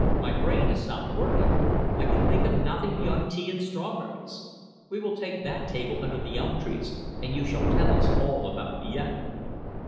My brain has stopped working. I can think of nothing beyond tea and strawberries. We will take that table under the elm trees, and you shall tell us all about Vienna."